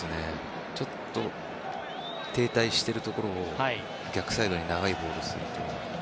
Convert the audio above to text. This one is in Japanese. ちょっと停滞しているところを逆サイドに長いボールをスッと。